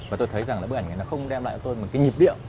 và tôi thấy rằng là bức ảnh này nó không đem lại tôi một cái nhịp điệu